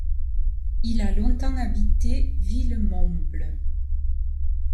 Il a longtemps habité Villemomble.